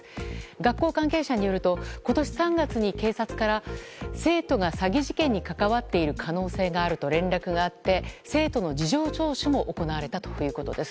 学校関係者によると今年３月に警察から生徒が詐欺事件に関わっている可能性があると連絡があって生徒の事情聴取も行われたということです。